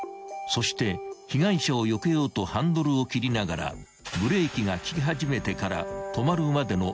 ［そして被害者をよけようとハンドルを切りながらブレーキが利き始めてから止まるまでの］